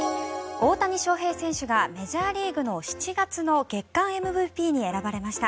大谷翔平選手がメジャーリーグの７月の月間ＭＶＰに選ばれました。